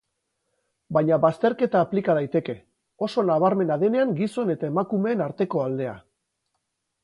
Baina bazterketa aplika daiteke, oso nabramena denean gizon eta emnakumeen arteko aldea.